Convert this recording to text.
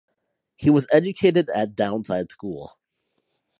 He was educated at Downside School.